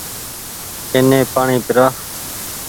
اني پآڻيٚ پيرآ